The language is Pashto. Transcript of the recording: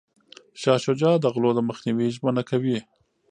شاه شجاع د غلو د مخنیوي ژمنه کوي.